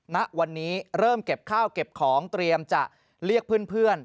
ณวันนี้เริ่มเก็บข้าวเก็บของเตรียมจะเรียกเพื่อน